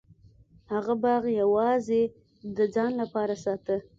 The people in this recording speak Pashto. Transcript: هغه باغ یوازې د ځان لپاره ساته.